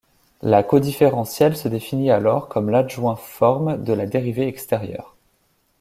La codifférentielle se définit alors comme l'adjoint forme de la dérivée extérieure.